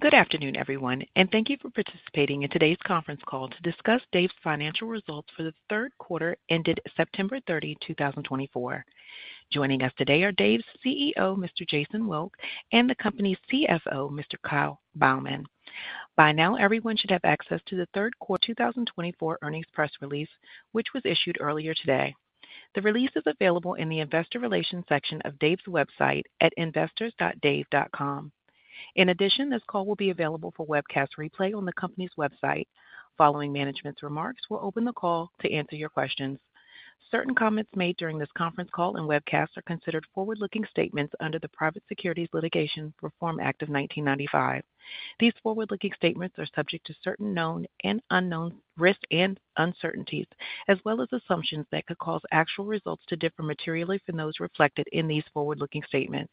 Good afternoon, everyone, and thank you for participating in today's conference call to discuss Dave's financial results for the 3rd quarter ended September 30, 2024. Joining us today are Dave's CEO, Mr. Jason Wilk, and the company's CFO, Mr. Kyle Beilman. By now, everyone should have access to the 3rd quarter 2024 earnings press release, which was issued earlier today. The release is available in the investor relations section of Dave's website at investors.dave.com. In addition, this call will be available for webcast replay on the company's website. Following management's remarks, we'll open the call to answer your questions. Certain comments made during this conference call and webcast are considered forward-looking statements under the Private Securities Litigation Reform Act of 1995. These forward-looking statements are subject to certain known and unknown risks and uncertainties, as well as assumptions that could cause actual results to differ materially from those reflected in these forward-looking statements.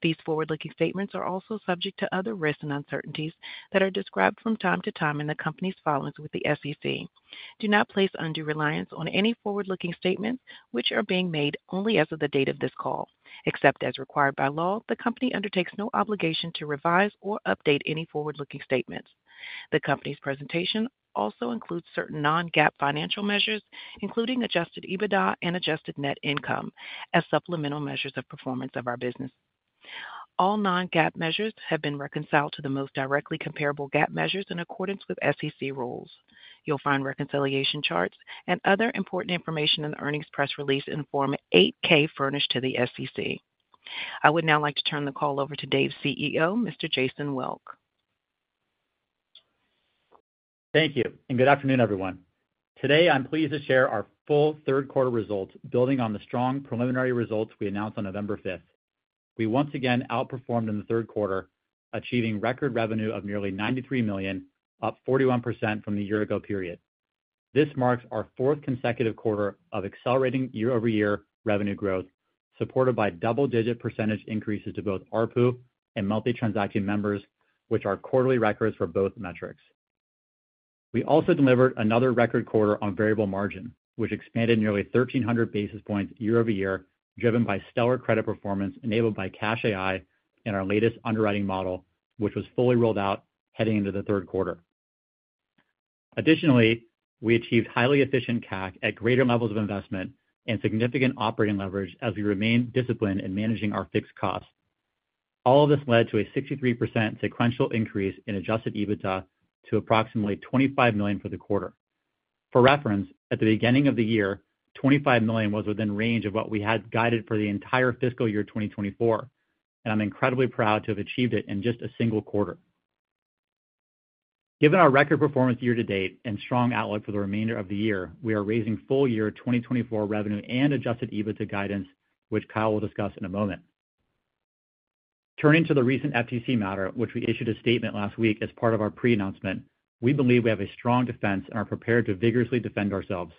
These forward-looking statements are also subject to other risks and uncertainties that are described from time to time in the company's filings with the SEC. Do not place undue reliance on any forward-looking statements, which are being made only as of the date of this call. Except as required by law, the company undertakes no obligation to revise or update any forward-looking statements. The company's presentation also includes certain Non-GAAP financial measures, including Adjusted EBITDA and Adjusted Net Income, as supplemental measures of performance of our business. All Non-GAAP measures have been reconciled to the most directly comparable GAAP measures in accordance with SEC rules. You'll find reconciliation charts and other important information in the earnings press release in Form 8-K furnished to the SEC. I would now like to turn the call over to Dave's CEO, Mr. Jason Wilk. Thank you, and good afternoon, everyone. Today, I'm pleased to share our full 3rd quarter results, building on the strong preliminary results we announced on November 5th. We once again outperformed in the 3rd quarter, achieving record revenue of nearly $93 million, up 41% from the year-ago period. This marks our 4th consecutive quarter of accelerating year-over-year revenue growth, supported by double-digit percentage increases to both ARPU and multi-transaction members, which are quarterly records for both metrics. We also delivered another record quarter on variable margin, which expanded nearly 1,300 basis points year-over-year, driven by stellar credit performance enabled by CashAI and our latest underwriting model, which was fully rolled out heading into the 3rd quarter. Additionally, we achieved highly efficient CAC at greater levels of investment and significant operating leverage as we remain disciplined in managing our fixed costs. All of this led to a 63% sequential increase in adjusted EBITDA to approximately $25 million for the quarter. For reference, at the beginning of the year, $25 million was within range of what we had guided for the entire fiscal year 2024, and I'm incredibly proud to have achieved it in just a single quarter. Given our record performance year-to-date and strong outlook for the remainder of the year, we are raising full-year 2024 revenue and adjusted EBITDA guidance, which Kyle will discuss in a moment. Turning to the recent FTC matter, which we issued a statement last week as part of our pre-announcement, we believe we have a strong defense and are prepared to vigorously defend ourselves.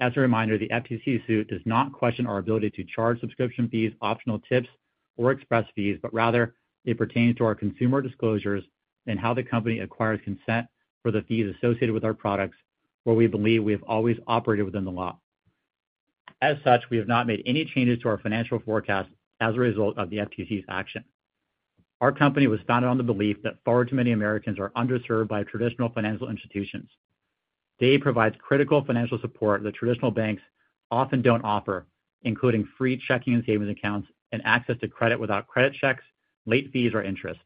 As a reminder, the FTC suit does not question our ability to charge subscription fees, optional tips, or express fees, but rather it pertains to our consumer disclosures and how the company acquires consent for the fees associated with our products, where we believe we have always operated within the law. As such, we have not made any changes to our financial forecasts as a result of the FTC's action. Our company was founded on the belief that far too many Americans are underserved by traditional financial institutions. Dave provides critical financial support that traditional banks often don't offer, including free checking and savings accounts and access to credit without credit checks, late fees, or interest.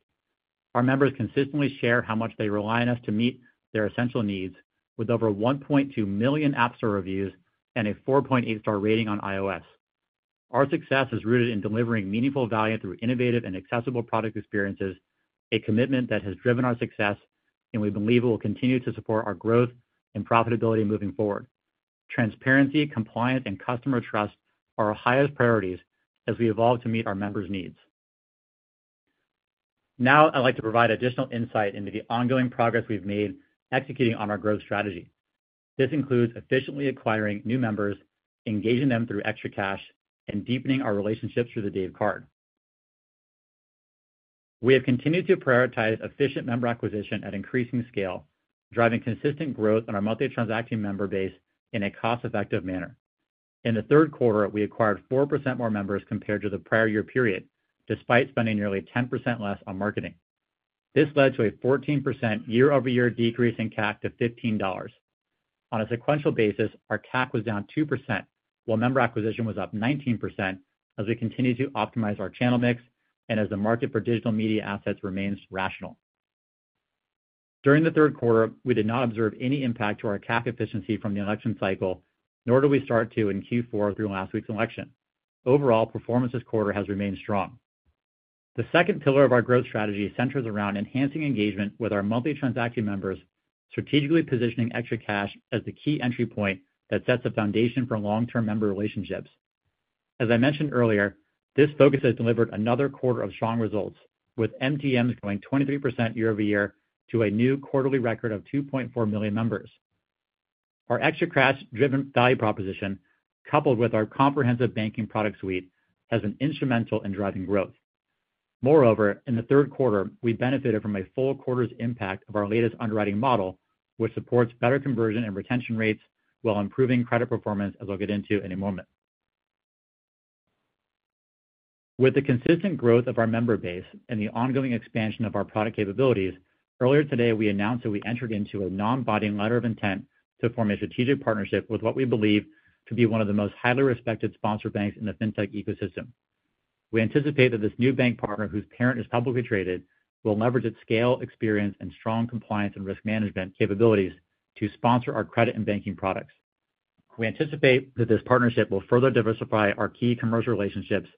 Our members consistently share how much they rely on us to meet their essential needs, with over 1.2 million App Store reviews and a 4.8-star rating on iOS. Our success is rooted in delivering meaningful value through innovative and accessible product experiences, a commitment that has driven our success, and we believe it will continue to support our growth and profitability moving forward. Transparency, compliance, and customer trust are our highest priorities as we evolve to meet our members' needs. Now, I'd like to provide additional insight into the ongoing progress we've made executing on our growth strategy. This includes efficiently acquiring new members, engaging them through ExtraCash, and deepening our relationships through the Dave Card. We have continued to prioritize efficient member acquisition at increasing scale, driving consistent growth on our multi-transaction member base in a cost-effective manner. In the 3rd quarter, we acquired 4% more members compared to the prior year period, despite spending nearly 10% less on marketing. This led to a 14% year-over-year decrease in CAC to $15. On a sequential basis, our CAC was down 2%, while member acquisition was up 19% as we continue to optimize our channel mix and as the market for digital media assets remains rational. During the 3rd quarter, we did not observe any impact to our CAC efficiency from the election cycle, nor did we start to in Q4 through last week's election. Overall, performance this quarter has remained strong. The 2nd pillar of our growth strategy centers around enhancing engagement with our multi-transaction members, strategically positioning ExtraCash as the key entry point that sets a foundation for long-term member relationships. As I mentioned earlier, this focus has delivered another quarter of strong results, with MTMs growing 23% year-over-year to a new quarterly record of 2.4 million members. Our ExtraCash-driven value proposition, coupled with our comprehensive banking product suite, has been instrumental in driving growth. Moreover, in the 3rd quarter, we benefited from a full quarter's impact of our latest underwriting model, which supports better conversion and retention rates while improving credit performance, as I'll get into in a moment. With the consistent growth of our member base and the ongoing expansion of our product capabilities, earlier today, we announced that we entered into a non-binding letter of intent to form a strategic partnership with what we believe to be one of the most highly respected sponsor banks in the fintech ecosystem. We anticipate that this new bank partner, whose parent is publicly traded, will leverage its scale, experience, and strong compliance and risk management capabilities to sponsor our credit and banking products. We anticipate that this partnership will further diversify our key commercial relationships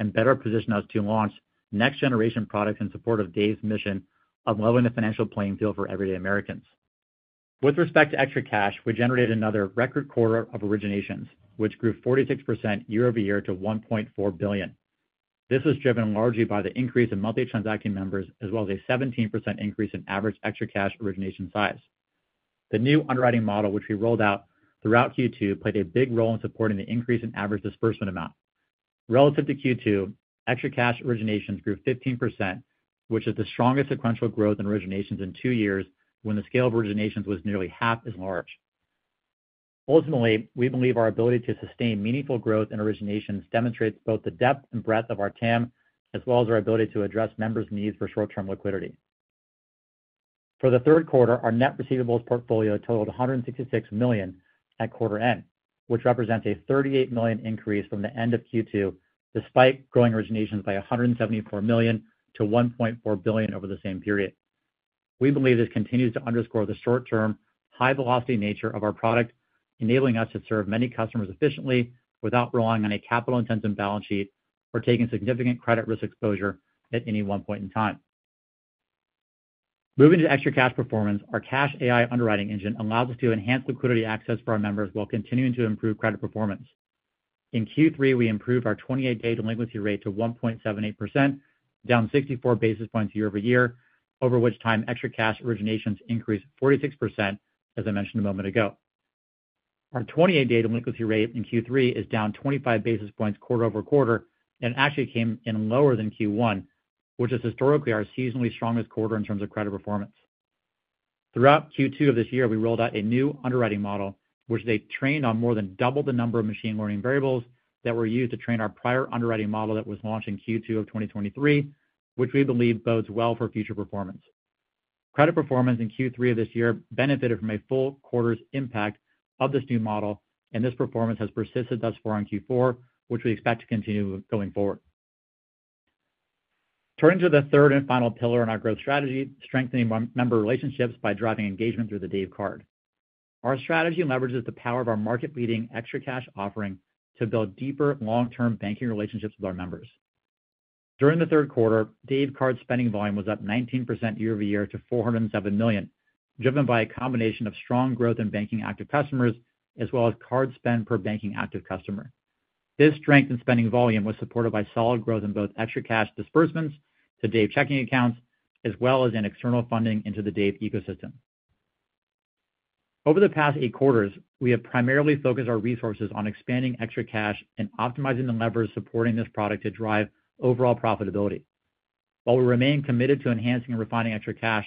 and better position us to launch next-generation products in support of Dave's mission of leveling the financial playing field for everyday Americans. With respect to ExtraCash, we generated another record quarter of originations, which grew 46% year-over-year to $1.4 billion. This was driven largely by the increase in multi-transaction members as well as a 17% increase in average ExtraCash origination size. The new underwriting model, which we rolled out throughout Q2, played a big role in supporting the increase in average disbursement amount. Relative to Q2, ExtraCash originations grew 15%, which is the strongest sequential growth in originations in two years when the scale of originations was nearly half as large. Ultimately, we believe our ability to sustain meaningful growth in originations demonstrates both the depth and breadth of our TAM as well as our ability to address members' needs for short-term liquidity. For the 3rd quarter, our net receivables portfolio totaled $166 million at quarter end, which represents a $38 million increase from the end of Q2, despite growing originations by $174 million to $1.4 billion over the same period. We believe this continues to underscore the short-term, high-velocity nature of our product, enabling us to serve many customers efficiently without relying on a capital-intensive balance sheet or taking significant credit risk exposure at any one point in time. Moving to ExtraCash performance, our CashAI underwriting engine allows us to enhance liquidity access for our members while continuing to improve credit performance. In Q3, we improved our 28-day delinquency rate to 1.78%, down 64 basis points year-over-year, over which time ExtraCash originations increased 46%, as I mentioned a moment ago. Our 28-day delinquency rate in Q3 is down 25 basis points quarter over quarter and actually came in lower than Q1, which is historically our seasonally strongest quarter in terms of credit performance. Throughout Q2 of this year, we rolled out a new underwriting model, which they trained on more than double the number of machine learning variables that were used to train our prior underwriting model that was launched in Q2 of 2023, which we believe bodes well for future performance. Credit performance in Q3 of this year benefited from a full quarter's impact of this new model, and this performance has persisted thus far in Q4, which we expect to continue going forward. Turning to the 3rd and final pillar in our growth strategy, strengthening member relationships by driving engagement through the Dave Card. Our strategy leverages the power of our market-leading ExtraCash offering to build deeper long-term banking relationships with our members. During the 3rd quarter, Dave Card's spending volume was up 19% year-over-year to $407 million, driven by a combination of strong growth in banking active customers as well as card spend per banking active customer. This strength in spending volume was supported by solid growth in both ExtraCash disbursements to Dave Checking Account as well as in external funding into the Dave ecosystem. Over the past eight quarters, we have primarily focused our resources on expanding ExtraCash and optimizing the levers supporting this product to drive overall profitability. While we remain committed to enhancing and refining ExtraCash,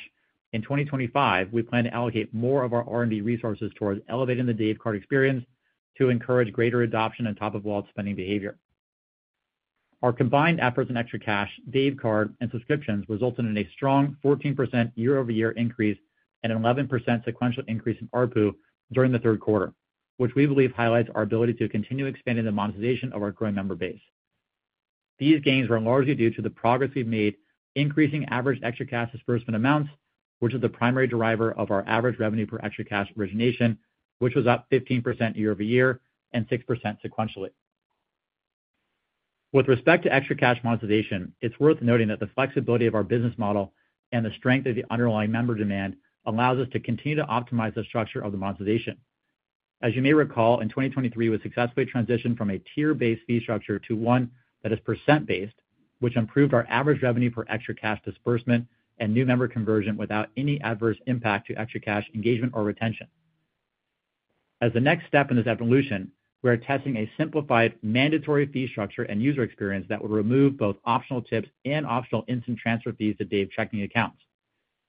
in 2025, we plan to allocate more of our R&D resources towards elevating the Dave Card experience to encourage greater adoption and top-of-wallet spending behavior. Our combined efforts in ExtraCash, Dave Card, and subscriptions resulted in a strong 14% year-over-year increase and an 11% sequential increase in ARPU during the 3rd quarter, which we believe highlights our ability to continue expanding the monetization of our growing member base. These gains were largely due to the progress we've made increasing average ExtraCash disbursement amounts, which is the primary driver of our average revenue per ExtraCash origination, which was up 15% year-over-year and 6% sequentially. With respect to ExtraCash monetization, it's worth noting that the flexibility of our business model and the strength of the underlying member demand allows us to continue to optimize the structure of the monetization. As you may recall, in 2023, we successfully transitioned from a tier-based fee structure to one that is percent-based, which improved our average revenue per ExtraCash disbursement and new member conversion without any adverse impact to ExtraCash engagement or retention. As the next step in this evolution, we are testing a simplified mandatory fee structure and user experience that will remove both optional tips and optional instant transfer fees to Dave Checking Account.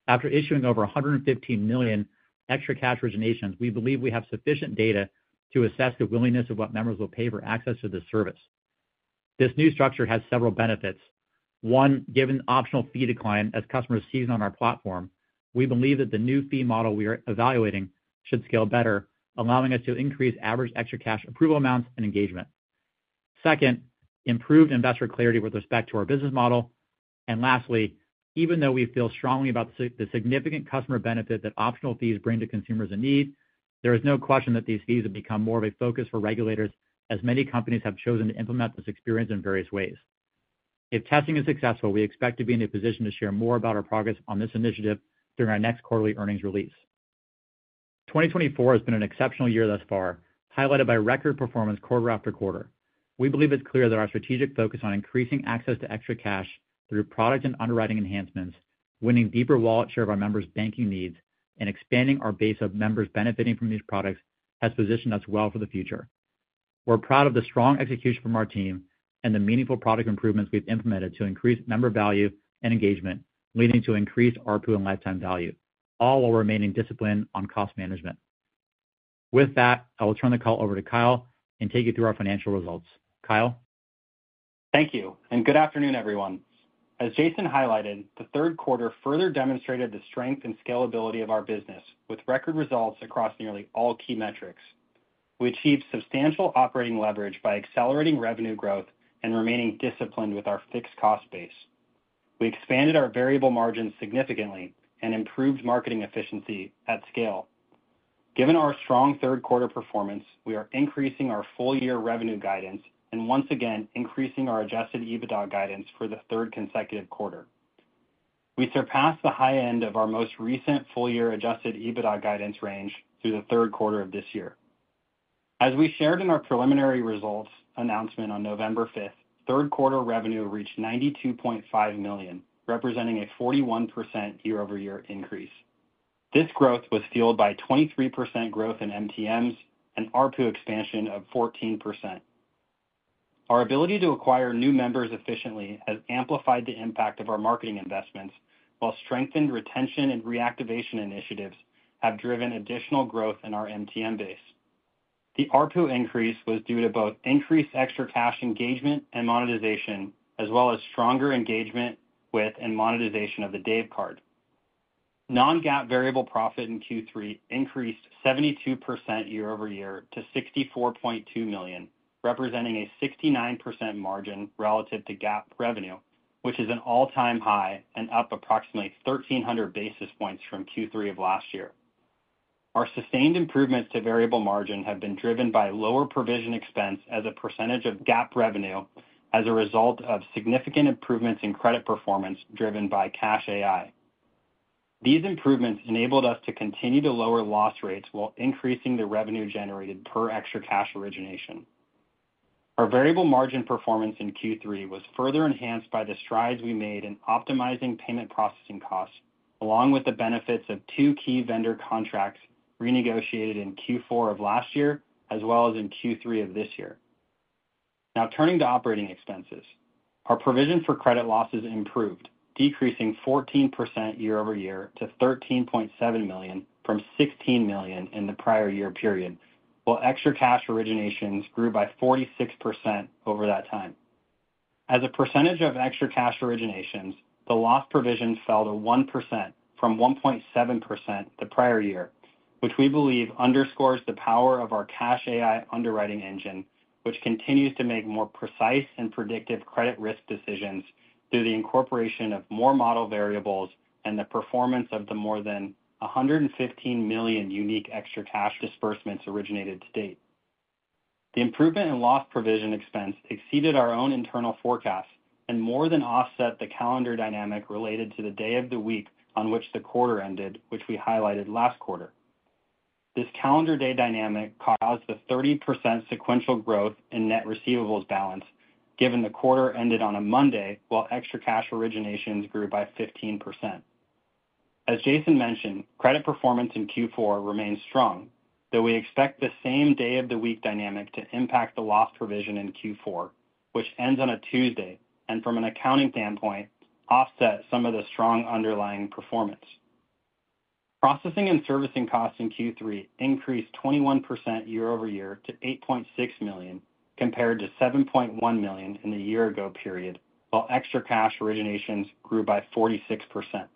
After issuing over 115 million ExtraCash originations, we believe we have sufficient data to assess the willingness of what members will pay for access to this service. This new structure has several benefits. One, given optional fee decline as customers seize on our platform, we believe that the new fee model we are evaluating should scale better, allowing us to increase average ExtraCash approval amounts and engagement. Second, improved investor clarity with respect to our business model. And lastly, even though we feel strongly about the significant customer benefit that optional fees bring to consumers in need, there is no question that these fees have become more of a focus for regulators as many companies have chosen to implement this experience in various ways. If testing is successful, we expect to be in a position to share more about our progress on this initiative during our next quarterly earnings release. 2024 has been an exceptional year thus far, highlighted by record performance quarter-after-quarter. We believe it's clear that our strategic focus on increasing access to ExtraCash through product and underwriting enhancements, winning deeper wallet share of our members' banking needs, and expanding our base of members benefiting from these products has positioned us well for the future. We're proud of the strong execution from our team and the meaningful product improvements we've implemented to increase member value and engagement, leading to increased ARPU and lifetime value, all while remaining disciplined on cost management. With that, I will turn the call over to Kyle and take you through our financial results. Kyle? Thank you. And good afternoon, everyone. As Jason highlighted, the 3rd quarter further demonstrated the strength and scalability of our business with record results across nearly all key metrics. We achieved substantial operating leverage by accelerating revenue growth and remaining disciplined with our fixed cost base. We expanded our variable margins significantly and improved marketing efficiency at scale. Given our strong 3rd quarter performance, we are increasing our full-year revenue guidance and once again increasing our Adjusted EBITDA guidance for the 3rd consecutive quarter. We surpassed the high end of our most recent full-year Adjusted EBITDA guidance range through the 3rd quarter of this year. As we shared in our preliminary results announcement on November 5th, 3rd quarter revenue reached $92.5 million, representing a 41% year-over-year increase. This growth was fueled by 23% growth in MTMs and ARPU expansion of 14%. Our ability to acquire new members efficiently has amplified the impact of our marketing investments, while strengthened retention and reactivation initiatives have driven additional growth in our MTM base. The ARPU increase was due to both increased ExtraCash engagement and monetization, as well as stronger engagement with and monetization of the Dave Card. Non-GAAP variable profit in Q3 increased 72% year-over-year to $64.2 million, representing a 69% margin relative to GAAP revenue, which is an all-time high and up approximately 1,300 basis points from Q3 of last year. Our sustained improvements to variable margin have been driven by lower provision expense as a percentage of GAAP revenue as a result of significant improvements in credit performance driven by CashAI. These improvements enabled us to continue to lower loss rates while increasing the revenue generated per ExtraCash origination. Our variable margin performance in Q3 was further enhanced by the strides we made in optimizing payment processing costs, along with the benefits of two key vendor contracts renegotiated in Q4 of last year as well as in Q3 of this year. Now, turning to operating expenses, our provision for credit losses improved, decreasing 14% year-over-year to $13.7 million from $16 million in the prior year period, while ExtraCash originations grew by 46% over that time. As a percentage of ExtraCash originations, the loss provision fell to 1% from 1.7% the prior year, which we believe underscores the power of our CashAI underwriting engine, which continues to make more precise and predictive credit risk decisions through the incorporation of more model variables and the performance of the more than 115 million unique ExtraCash disbursements originated to date. The improvement in loss provision expense exceeded our own internal forecasts and more than offset the calendar dynamic related to the day of the week on which the quarter ended, which we highlighted last quarter. This calendar day dynamic caused the 30% sequential growth in net receivables balance, given the quarter ended on a Monday while ExtraCash originations grew by 15%. As Jason mentioned, credit performance in Q4 remained strong, though we expect the same day-of-the-week dynamic to impact the loss provision in Q4, which ends on a Tuesday and, from an accounting standpoint, offsets some of the strong underlying performance. Processing and servicing costs in Q3 increased 21% year-over-year to $8.6 million compared to $7.1 million in the year-ago period, while ExtraCash originations grew by 46%.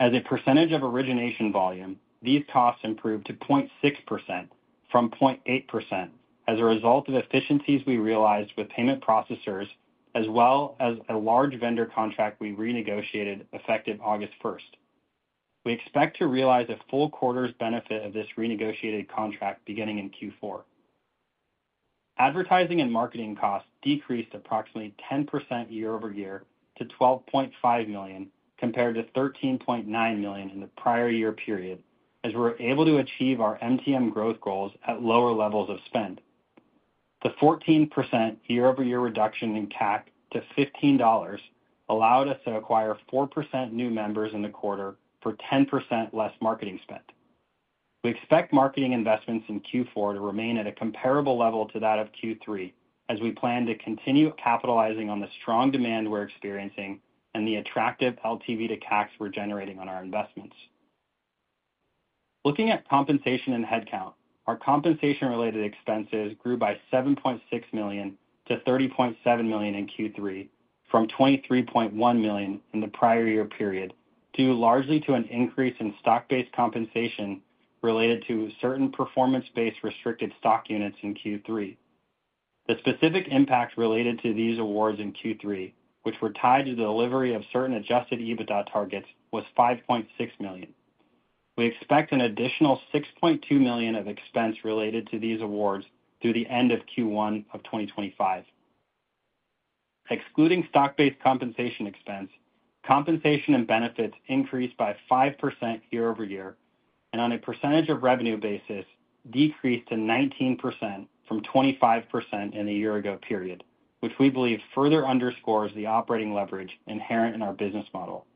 As a percentage of origination volume, these costs improved to 0.6% from 0.8% as a result of efficiencies we realized with payment processors, as well as a large vendor contract we renegotiated effective August 1st. We expect to realize a full quarter's benefit of this renegotiated contract beginning in Q4. Advertising and marketing costs decreased approximately 10% year-over-year to $12.5 million compared to $13.9 million in the prior year period, as we were able to achieve our MTM growth goals at lower levels of spend. The 14% year-over-year reduction in CAC to $15 allowed us to acquire 4% new members in the quarter for 10% less marketing spent. We expect marketing investments in Q4 to remain at a comparable level to that of Q3, as we plan to continue capitalizing on the strong demand we're experiencing and the attractive LTV to CACs we're generating on our investments. Looking at compensation and headcount, our compensation-related expenses grew by $7.6 million to $30.7 million in Q3 from $23.1 million in the prior year period, due largely to an increase in stock-based compensation related to certain performance-based restricted stock units in Q3. The specific impact related to these awards in Q3, which were tied to the delivery of certain adjusted EBITDA targets, was $5.6 million. We expect an additional $6.2 million of expense related to these awards through the end of Q1 of 2025. Excluding stock-based compensation expense, compensation and benefits increased by 5% year-over-year, and on a percentage of revenue basis, decreased to 19% from 25% in the year-ago period, which we believe further underscores the operating leverage inherent in our business model.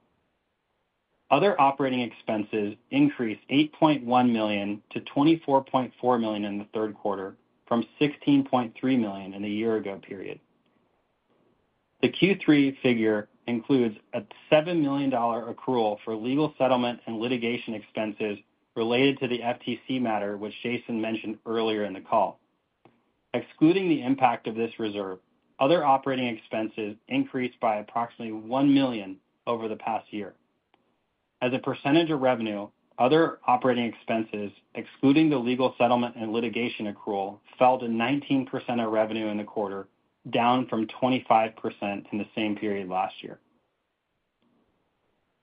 Other operating expenses increased $8.1 million to $24.4 million in the 3rd quarter from $16.3 million in the year-ago period. The Q3 figure includes a $7 million accrual for legal settlement and litigation expenses related to the FTC matter, which Jason mentioned earlier in the call. Excluding the impact of this reserve, other operating expenses increased by approximately $1 million over the past year. As a percentage of revenue, other operating expenses, excluding the legal settlement and litigation accrual, fell to 19% of revenue in the quarter, down from 25% in the same period last year.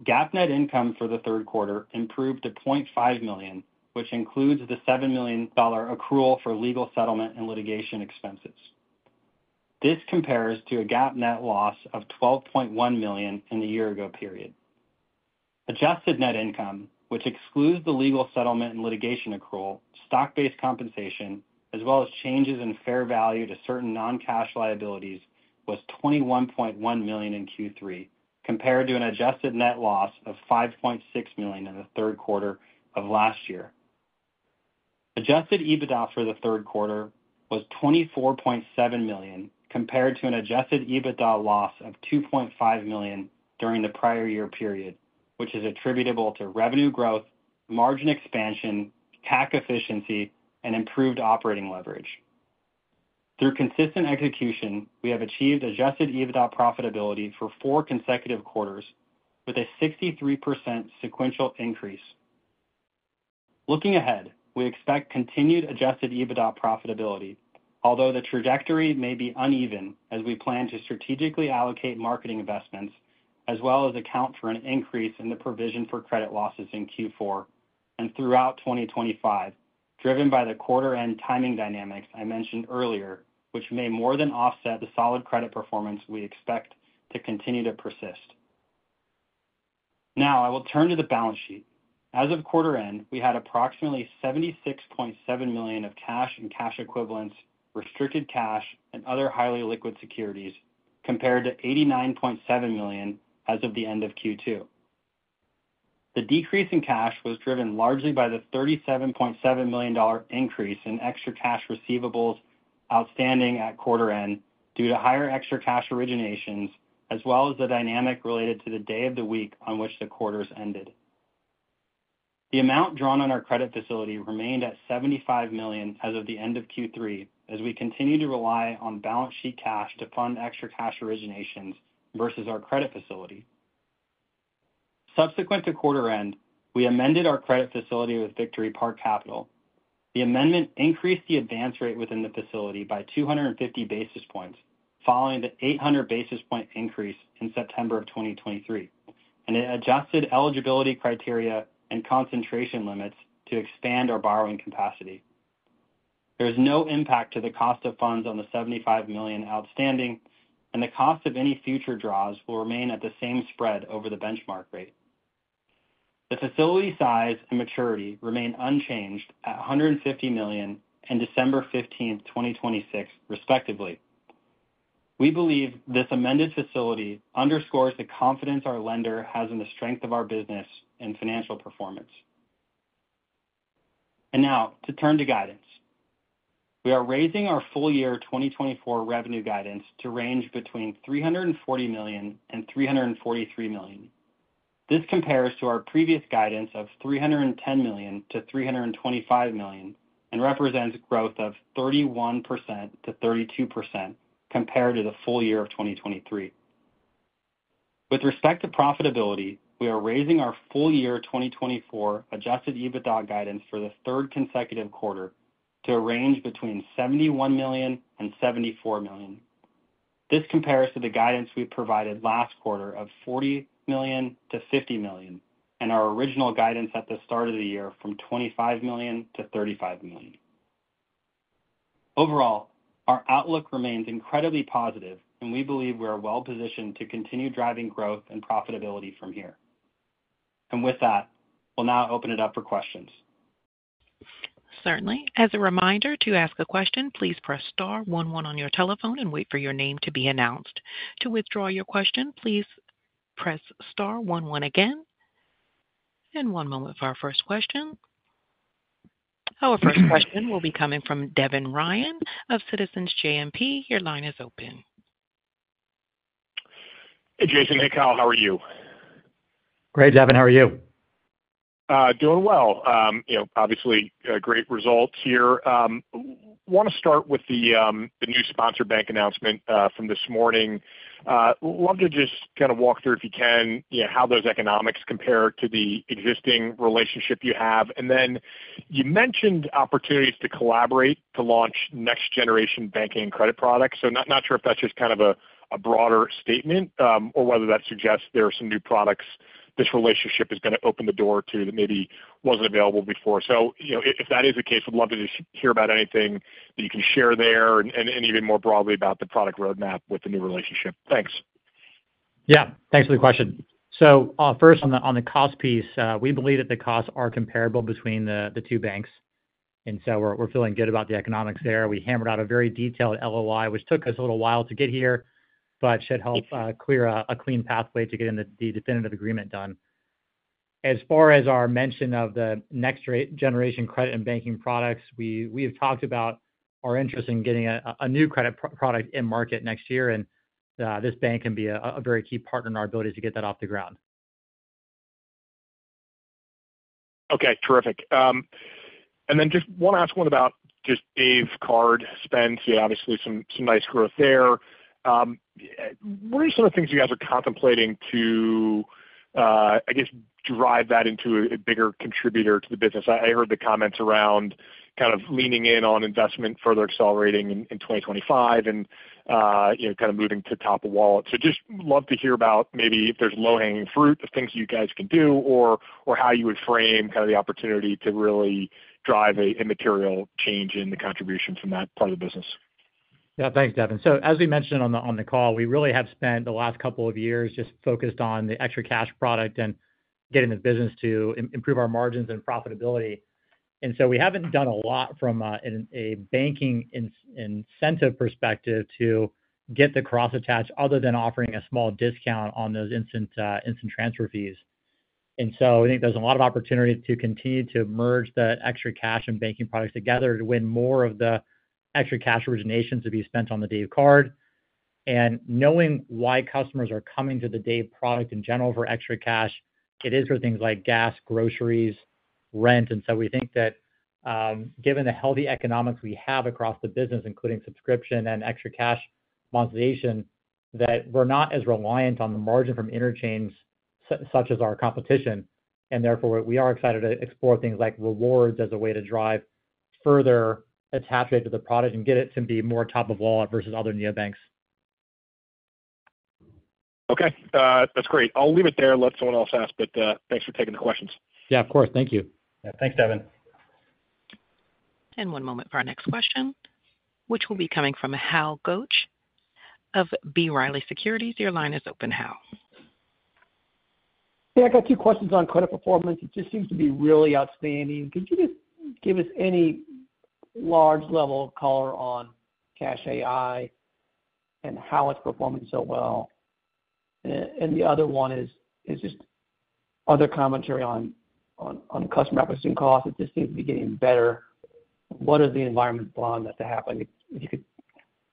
GAAP net income for the 3rd quarter improved to $0.5 million, which includes the $7 million accrual for legal settlement and litigation expenses. This compares to a GAAP net loss of $12.1 million in the year-ago period. Adjusted net income, which excludes the legal settlement and litigation accrual, stock-based compensation, as well as changes in fair value to certain non-cash liabilities, was $21.1 million in Q3, compared to an adjusted net loss of $5.6 million in the 3rd quarter of last year. Adjusted EBITDA for the 3rd quarter was $24.7 million compared to an adjusted EBITDA loss of $2.5 million during the prior year period, which is attributable to revenue growth, margin expansion, CAC efficiency, and improved operating leverage. Through consistent execution, we have achieved adjusted EBITDA profitability for four consecutive quarters with a 63% sequential increase. Looking ahead, we expect continued adjusted EBITDA profitability, although the trajectory may be uneven as we plan to strategically allocate marketing investments, as well as account for an increase in the provision for credit losses in Q4 and throughout 2025, driven by the quarter-end timing dynamics I mentioned earlier, which may more than offset the solid credit performance we expect to continue to persist. Now, I will turn to the balance sheet. As of quarter end, we had approximately $76.7 million of cash and cash equivalents, restricted cash, and other highly liquid securities compared to $89.7 million as of the end of Q2. The decrease in cash was driven largely by the $37.7 million increase in ExtraCash receivables outstanding at quarter end due to higher ExtraCash originations, as well as the dynamic related to the day of the week on which the quarters ended. The amount drawn on our credit facility remained at $75 million as of the end of Q3, as we continue to rely on balance sheet cash to fund ExtraCash originations versus our credit facility. Subsequent to quarter end, we amended our credit facility with Victory Park Capital. The amendment increased the advance rate within the facility by 250 basis points, following the 800 basis point increase in September of 2023, and it adjusted eligibility criteria and concentration limits to expand our borrowing capacity. There is no impact to the cost of funds on the $75 million outstanding, and the cost of any future draws will remain at the same spread over the benchmark rate. The facility size and maturity remain unchanged at $150 million and December 15th, 2026, respectively. We believe this amended facility underscores the confidence our lender has in the strength of our business and financial performance. And now, to turn to guidance. We are raising our full-year 2024 revenue guidance to range between $340 million and $343 million. This compares to our previous guidance of $310 million-$325 million and represents growth of 31%-32% compared to the full year of 2023. With respect to profitability, we are raising our full-year 2024 Adjusted EBITDA guidance for the 3rd consecutive quarter to a range between $71 million and $74 million. This compares to the guidance we provided last quarter of $40 million to $50 million and our original guidance at the start of the year from $25 million to $35 million. Overall, our outlook remains incredibly positive, and we believe we are well-positioned to continue driving growth and profitability from here. And with that, we'll now open it up for questions. Certainly. As a reminder, to ask a question, please press star one one on your telephone and wait for your name to be announced. To withdraw your question, please press star one one again. And one moment for our 1st question. Our 1st question will be coming from Devin Ryan of Citizens JMP. Your line is open. Hey, Jason. Hey, Kyle. How are you? Great, Devin. How are you? Doing well. Obviously, great results here. Want to start with the new sponsor bank announcement from this morning. Love to just kind of walk through, if you can, how those economics compare to the existing relationship you have. And then you mentioned opportunities to collaborate to launch next-generation banking and credit products. So not sure if that's just kind of a broader statement or whether that suggests there are some new products this relationship is going to open the door to that maybe wasn't available before. So if that is the case, we'd love to just hear about anything that you can share there and even more broadly about the product roadmap with the new relationship. Thanks. Yeah. Thanks for the question. So 1st, on the cost piece, we believe that the costs are comparable between the two banks. We're feeling good about the economics there. We hammered out a very detailed LOI, which took us a little while to get here, but should help clear a clean pathway to getting the definitive agreement done. As far as our mention of the next-generation credit and banking products, we have talked about our interest in getting a new credit product in market next year, and this bank can be a very key partner in our ability to get that off the ground. Okay. Terrific. Then just want to ask one about just Dave's card spend. Yeah, obviously, some nice growth there. What are some of the things you guys are contemplating to, I guess, drive that into a bigger contributor to the business? I heard the comments around kind of leaning in on investment, further accelerating in 2025, and kind of moving to top of wallet. So just love to hear about maybe if there's low-hanging fruit of things you guys can do or how you would frame kind of the opportunity to really drive an immaterial change in the contribution from that part of the business. Yeah. Thanks, Devin. So as we mentioned on the call, we really have spent the last couple of years just focused on the ExtraCash product and getting the business to improve our margins and profitability. And so we haven't done a lot from a banking incentive perspective to get the cross-attached other than offering a small discount on those instant transfer fees. And so I think there's a lot of opportunity to continue to merge the ExtraCash and banking products together to win more of the ExtraCash originations to be spent on the Dave Card. And knowing why customers are coming to the Dave product in general for ExtraCash, it is for things like gas, groceries, rent. And so we think that given the healthy economics we have across the business, including subscription and ExtraCash monetization, that we're not as reliant on the margin from interchange such as our competition. And therefore, we are excited to explore things like rewards as a way to drive further attachment to the product and get it to be more top of wallet versus other neobanks. Okay. That's great. I'll leave it there. Let someone else ask, but thanks for taking the questions. Yeah, of course. Thank you. Yeah. Thanks, Devin. And one moment for our next question, which will be coming from Hal Goetsch of B. Riley Securities. Your line is open. Hal. Hey, I got two questions on credit performance. It just seems to be really outstanding. Could you just give us any high-level color on CashAI and how it's performing so well? And the other one is just other commentary on customer acquisition costs. It just seems to be getting better. What is the environment behind that's happening? If you could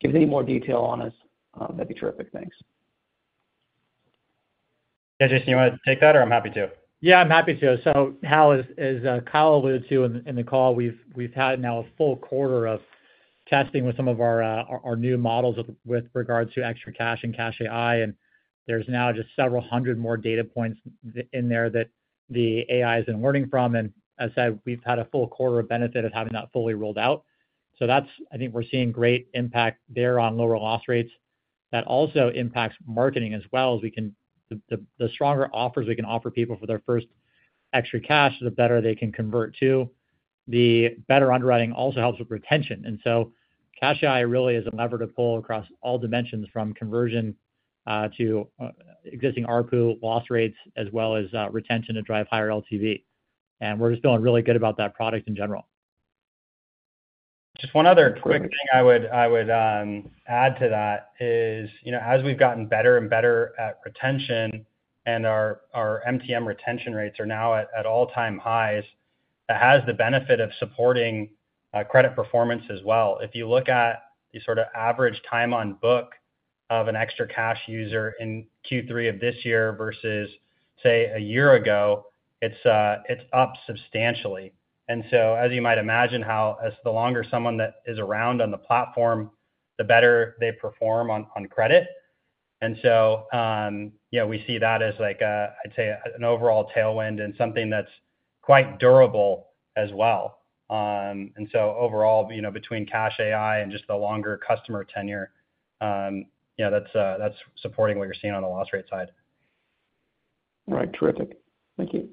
give us any more detail on that, that'd be terrific. Thanks. Yeah. Jason, you want to take that, or I'm happy to. Yeah, I'm happy to. So Hal, as Kyle alluded to in the call, we've had now a full quarter of testing with some of our new models with regards to ExtraCash and CashAI. And there's now just several hundred more data points in there that the AI has been learning from. And as I said, we've had a full quarter of benefit of having that fully rolled out. So I think we're seeing great impact there on lower loss rates. That also impacts marketing as well. The stronger offers we can offer people for their 1st ExtraCash, the better they can convert to. The better underwriting also helps with retention. And so CashAI really is a lever to pull across all dimensions from conversion to existing ARPU loss rates, as well as retention to drive higher LTV. And we're just feeling really good about that product in general. Just one other quick thing I would add to that is, as we've gotten better and better at retention and our MTM retention rates are now at all-time highs, that has the benefit of supporting credit performance as well. If you look at the sort of average time on book of an ExtraCash user in Q3 of this year versus, say, a year ago, it's up substantially. And so, as you might imagine, Hal, as the longer someone that is around on the platform, the better they perform on credit. And so we see that as, I'd say, an overall tailwind and something that's quite durable as well. And so overall, between CashAI and just the longer customer tenure, that's supporting what you're seeing on the loss rate side. All right. Terrific. Thank you.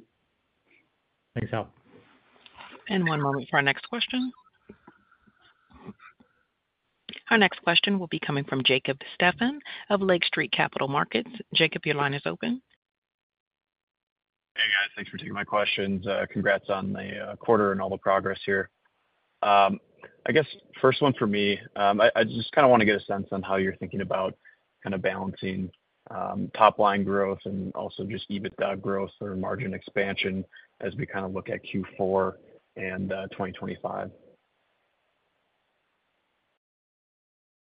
Thanks, Hal. And one moment for our next question. Our next question will be coming from Jacob Stephan of Lake Street Capital Markets. Jacob, your line is open. Hey, guys. Thanks for taking my questions. Congrats on the quarter and all the progress here. I guess 1st one for me, I just kind of want to get a sense on how you're thinking about kind of balancing top-line growth and also just EBITDA growth or margin expansion as we kind of look at Q4 and 2025?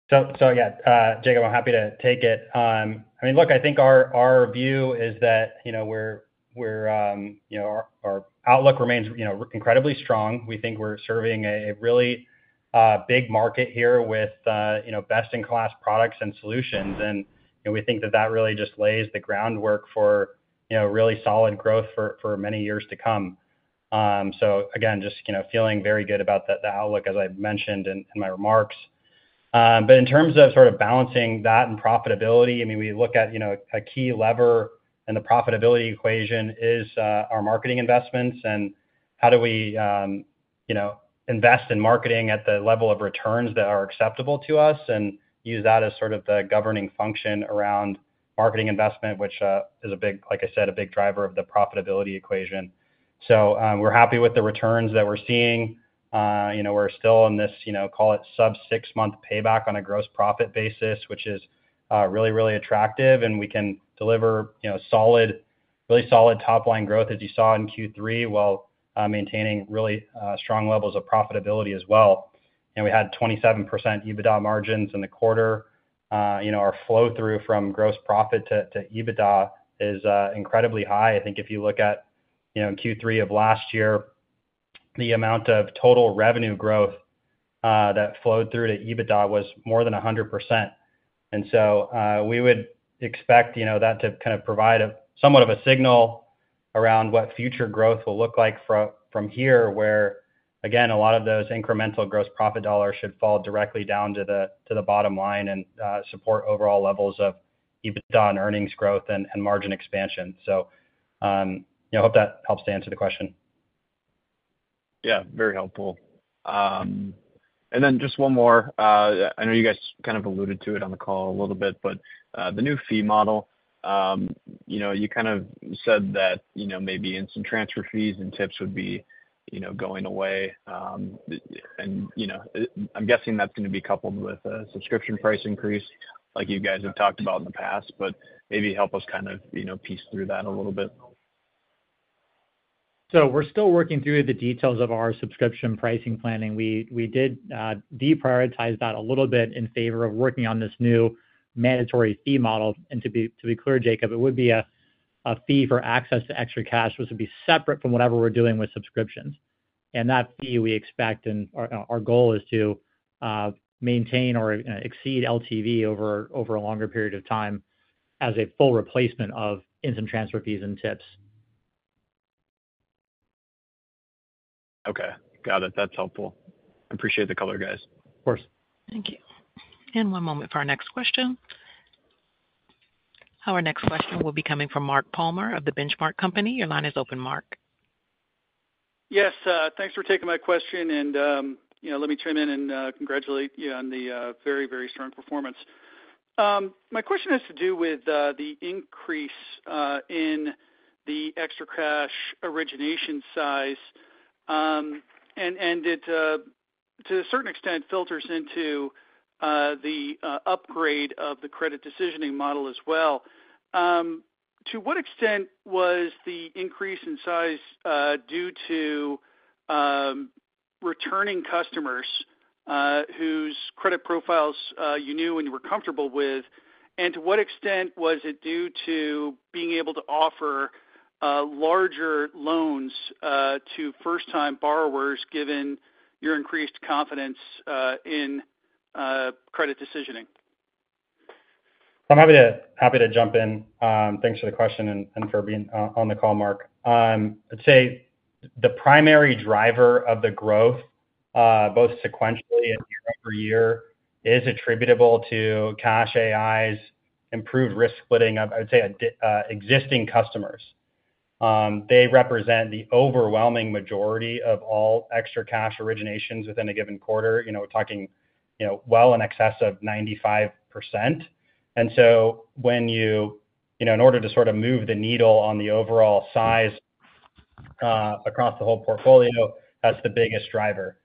So yeah, Jacob, I'm happy to take it. I mean, look, I think our view is that our outlook remains incredibly strong. We think we're serving a really big market here with best-in-class products and solutions. And we think that that really just lays the groundwork for really solid growth for many years to come. So again, just feeling very good about the outlook, as I mentioned in my remarks. But in terms of sort of balancing that and profitability, I mean, we look at a key lever in the profitability equation is our marketing investments and how do we invest in marketing at the level of returns that are acceptable to us and use that as sort of the governing function around marketing investment, which is, like I said, a big driver of the profitability equation. So we're happy with the returns that we're seeing. We're still in this, call it, sub-six-month payback on a gross profit basis, which is really, really attractive. And we can deliver really solid top-line growth, as you saw in Q3, while maintaining really strong levels of profitability as well. And we had 27% EBITDA margins in the quarter. Our flow-through from gross profit to EBITDA is incredibly high. I think if you look at Q3 of last year, the amount of total revenue growth that flowed through to EBITDA was more than 100%, and so we would expect that to kind of provide somewhat of a signal around what future growth will look like from here, where, again, a lot of those incremental gross profit dollars should fall directly down to the bottom line and support overall levels of EBITDA and earnings growth and margin expansion, so I hope that helps to answer the question. Yeah. Very helpful, and then just one more. I know you guys kind of alluded to it on the call a little bit, but the new fee model, you kind of said that maybe instant transfer fees and tips would be going away. And I'm guessing that's going to be coupled with a subscription price increase, like you guys have talked about in the past, but maybe help us kind of piece through that a little bit. So we're still working through the details of our subscription pricing planning. We did deprioritize that a little bit in favor of working on this new mandatory fee model. And to be clear, Jacob, it would be a fee for access to ExtraCash, which would be separate from whatever we're doing with subscriptions. And that fee we expect and our goal is to maintain or exceed LTV over a longer period of time as a full replacement of instant transfer fees and tips. Okay. Got it. That's helpful. Appreciate the color, guys. Of course. Thank you. And one moment for our next question. Our next question will be coming from Mark Palmer of the Benchmark Company. Your line is open, Mark. Yes. Thanks for taking my question. And let me chime in and congratulate you on the very, very strong performance. My question has to do with the increase in the ExtraCash origination size. And it, to a certain extent, filters into the upgrade of the credit decisioning model as well. To what extent was the increase in size due to returning customers whose credit profiles you knew and you were comfortable with? And to what extent was it due to being able to offer larger loans to 1st-time borrowers given your increased confidence in credit decisioning? I'm happy to jump in. Thanks for the question and for being on the call, Mark. I'd say the primary driver of the growth, both sequentially and year over year, is attributable to CashAI's improved risk splitting of, I would say, existing customers. They represent the overwhelming majority of all ExtraCash originations within a given quarter, talking well in excess of 95%. And so in order to sort of move the needle on the overall size across the whole portfolio, that's the biggest driver.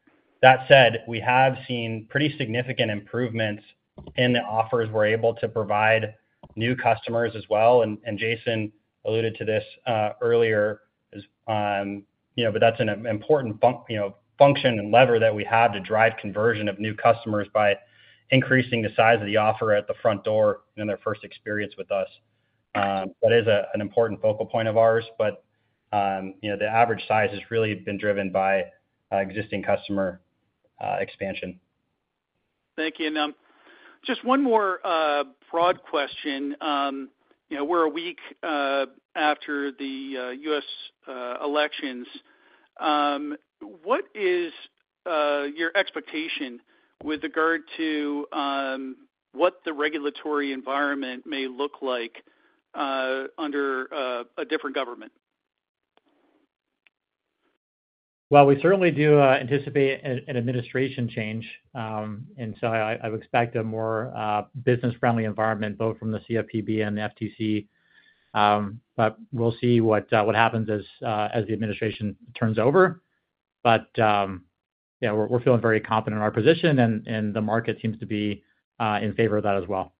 That said, we have seen pretty significant improvements in the offers we're able to provide new customers as well. And Jason alluded to this earlier, but that's an important function and lever that we have to drive conversion of new customers by increasing the size of the offer at the front door in their 1st experience with us. That is an important focal point of ours. But the average size has really been driven by existing customer expansion. Thank you. And just one more broad question. We're a week after the U.S. elections. What is your expectation with regard to what the regulatory environment may look like under a different government? Well, we certainly do anticipate an administration change. And so I would expect a more business-friendly environment, both from the CFPB and the FTC. But we'll see what happens as the administration turns over. But yeah, we're feeling very confident in our position, and the market seems to be in favor of that as well.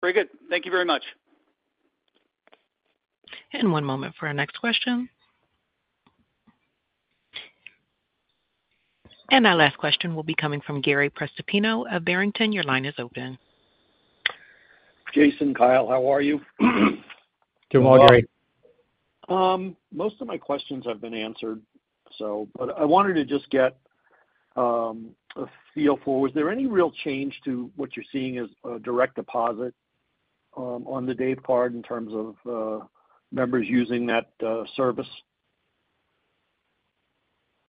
Very good. Thank you very much. And one moment for our next question. And our last question will be coming from Gary Prestopino of Barrington. Your line is open. Jason, Kyle, how are you? Doing well, Gary. Most of my questions have been answered, so. But I wanted to just get a feel for, was there any real change to what you're seeing as a direct deposit on the Dave Card in terms of members using that service?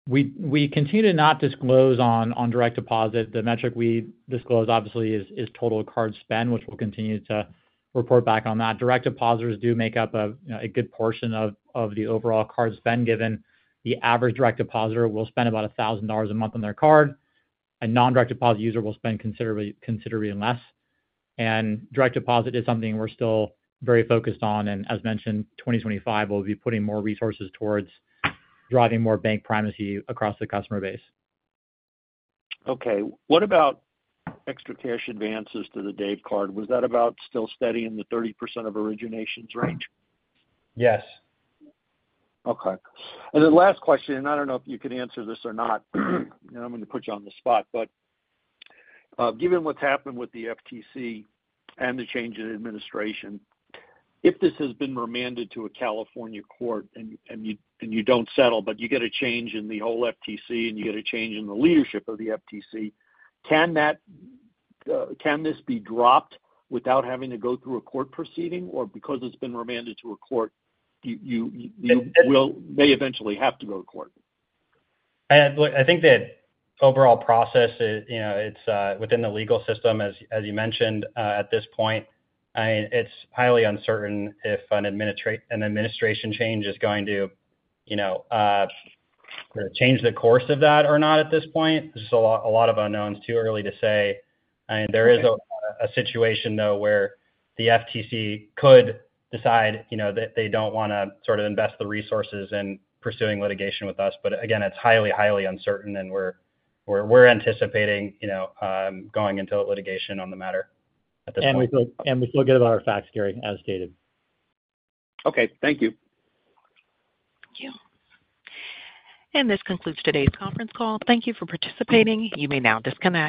We continue to not disclose on direct deposit. The metric we disclose, obviously, is total card spend, which we'll continue to report back on that. Direct depositors do make up a good portion of the overall card spend, given the average direct depositor will spend about $1,000 a month on their card. A non-direct deposit user will spend considerably less. And direct deposit is something we're still very focused on. And as mentioned, 2025, we'll be putting more resources towards driving more bank primacy across the customer base. Okay. What about ExtraCash advances to the Dave Card? Was that about still steady in the 30% of originations range? Yes. Okay. And then last question, and I don't know if you can answer this or not, and I'm going to put you on the spot. But given what's happened with the FTC and the change in administration, if this has been remanded to a California court and you don't settle, but you get a change in the whole FTC and you get a change in the leadership of the FTC, can this be dropped without having to go through a court proceeding? Or because it's been remanded to a court, you may eventually have to go to court? I think the overall process. It's within the legal system, as you mentioned, at this point. I mean, it's highly uncertain if an administration change is going to change the course of that or not at this point. There's a lot of unknowns. Too early to say. I mean, there is a situation, though, where the FTC could decide that they don't want to sort of invest the resources in pursuing litigation with us. But again, it's highly, highly uncertain, and we're anticipating going into litigation on the matter at this point. And we feel good about our facts, Gary, as stated. Okay. Thank you. Thank you, and this concludes today's conference call. Thank you for participating. You may now disconnect.